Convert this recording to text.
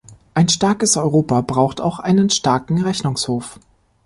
Ein starkes Europa braucht auch einen starken Rechnungshof.